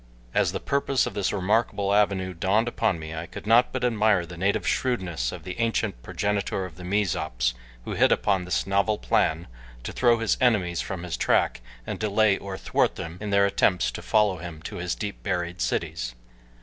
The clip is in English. As the purpose of this remarkable avenue dawned upon me I could not but admire the native shrewdness of the ancient progenitor of the Mezops who hit upon this novel plan to throw his enemies from his track and delay or thwart them in their attempts to follow him to his deep buried cities.